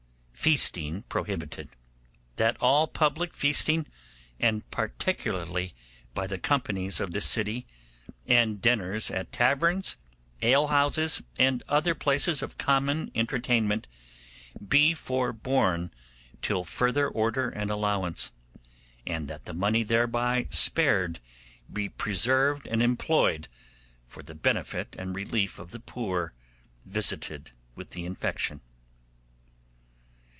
Feasting prohibited. 'That all public feasting, and particularly by the companies of this city, and dinners at taverns, ale houses, and other places of common entertainment, be forborne till further order and allowance; and that the money thereby spared be preserved and employed for the benefit and relief of the poor visited with the infection.